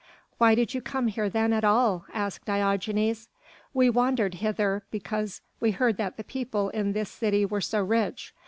"Why did you come here then at all?" asked Diogenes. "We wandered hither, because we heard that the people in this city were so rich.